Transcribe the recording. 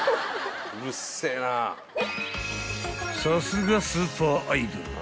［さすがスーパーアイドル］